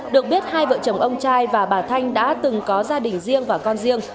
được biết hai vợ chồng ông trai và bà thanh đã từng có gia đình riêng và con riêng